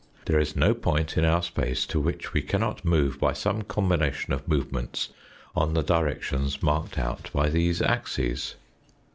There is no point in our space to which we cannot move by some combination of movements on the directions marked out by these axes.